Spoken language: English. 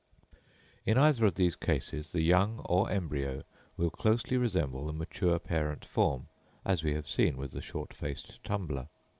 In either of these cases the young or embryo will closely resemble the mature parent form, as we have seen with the short faced tumbler.